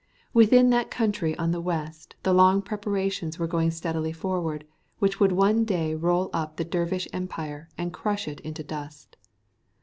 Within that country on the west the long preparations were going steadily forward which would one day roll up the Dervish Empire and crush it into dust.